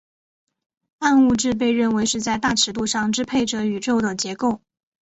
暗物质被认为是在大尺度上支配着宇宙的结构。